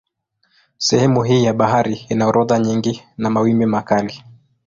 Sehemu hii ya bahari ina dhoruba nyingi na mawimbi makali.